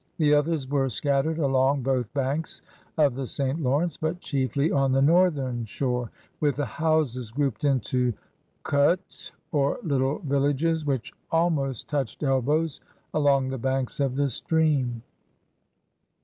The others were scattered along both banks of the St. Lawrence, but chiefly on the northern shore, with the houses grouped into cdtes or little villages which almost touched elbows along the banks of the stream.